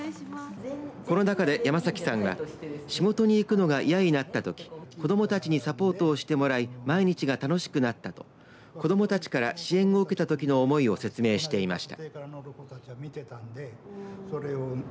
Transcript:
この中で山崎さんは仕事に行くのが嫌になったとき子どもたちにサポートをしてもらい毎日が楽しくなったと子どもたちから支援を受けたときの思いを説明していました。